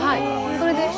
それで。